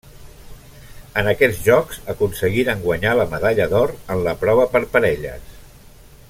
En aquests Jocs aconseguiren guanyar la medalla d'or en la prova per parelles.